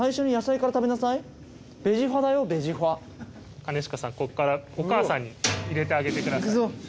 兼近さんこっからお母さんに入れてあげてください。